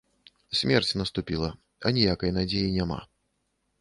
Смерць наступіла, аніякай надзеі няма.